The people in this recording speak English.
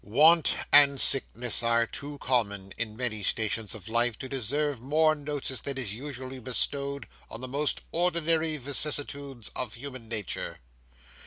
Want and sickness are too common in many stations of life to deserve more notice than is usually bestowed on the most ordinary vicissitudes of human nature.